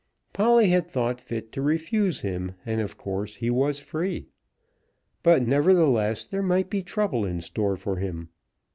Polly had thought fit to refuse him, and of course he was free. But, nevertheless, there might be trouble in store for him.